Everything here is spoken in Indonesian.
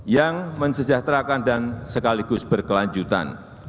yang mensejahterakan dan sekaligus berkelanjutan